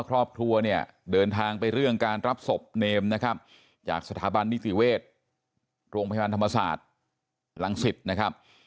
โรงพยาบาลธรรมศาสตร์หลังศิษฐ์นะครับ